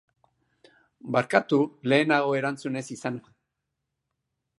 Barkatu lehenago erantzun ez izana.